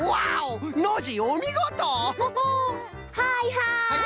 はいはい！